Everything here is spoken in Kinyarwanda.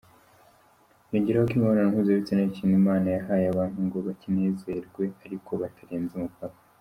Yongeraho ko imibonano mpuzabitsina ari ikintu Imana yahaye abantu ngo bakinezerwe ariko batarenze umupaka.